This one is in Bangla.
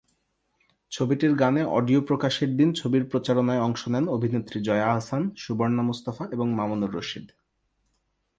ছবিটির গানে অডিও প্রকাশের দিন ছবির প্রচারণায় অংশ নেন অভিনেত্রী জয়া আহসান, সুবর্ণা মুস্তাফা এবং মামুনুর রশীদ।